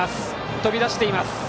飛び出しています。